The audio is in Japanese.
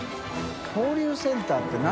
交流センターって何？